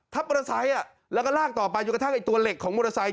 มอเตอร์ไซค์แล้วก็ลากต่อไปจนกระทั่งไอ้ตัวเหล็กของมอเตอร์ไซค